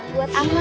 lilis buat minuman